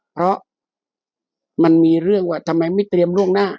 เพราะมันมีเรื่องว่าทำไมไม่เตรียมล่วงหน้า